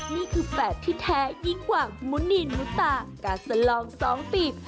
นี่คือแบบที่แท้ยิ่งกว่ามุนินมุตตากาสลองสองปีบ